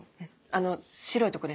あの白いとこでしょ？